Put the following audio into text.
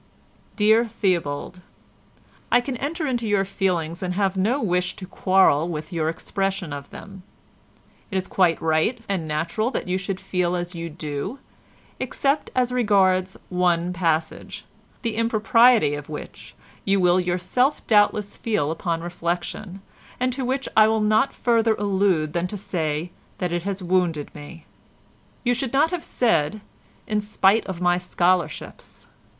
"Dear Theobald,—I can enter into your feelings and have no wish to quarrel with your expression of them. It is quite right and natural that you should feel as you do except as regards one passage, the impropriety of which you will yourself doubtless feel upon reflection, and to which I will not further allude than to say that it has wounded me. You should not have said 'in spite of my scholarships.